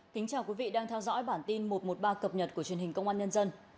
kính chào quý vị đang theo dõi bản tin một trăm một mươi ba cập nhật của truyền hình công an nhân dân